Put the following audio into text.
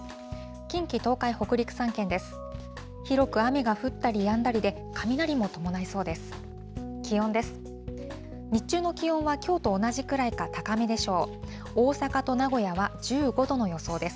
近畿、東海、北陸３県です。